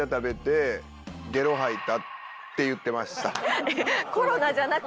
って言ってました。